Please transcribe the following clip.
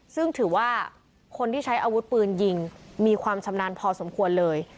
ซึ่งถือว่าคนที่ใช้อาวุธปืนยิงมีความชำนาญพอสมควรเลย